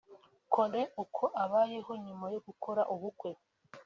Cole uko abayeho nyuma yo gukora ubukwe